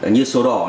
như số đỏ